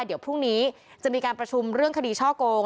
เดี๋ยวพรุ่งนี้จะมีการประชุมเรื่องคดีช่อโกง